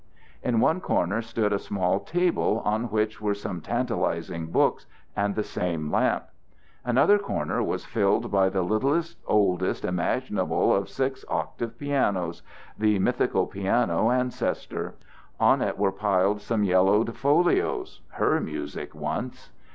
In one corner stood a small table on which were some tantalizing books and the same lamp. Another corner was filled by the littlest, oldest imaginable of six octave pianos, the mythical piano ancestor; on it were piled some yellowed folios, her music once.